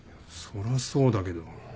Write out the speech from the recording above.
それはそうだけど。